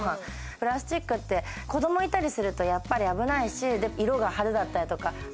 プラスチックって子どもいたりすると、やっぱり危ないし、色が派手だったりとか。